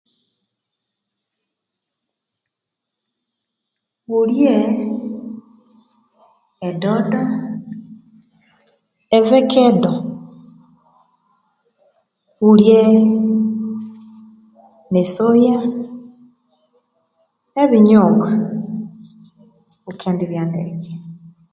Wulye edodo, evekedo wulye ne esoya ebinyobwa wukendibya ndeke